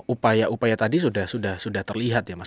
upaya upaya tadi sudah terlihat ya mas